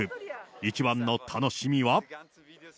一番の楽しみは？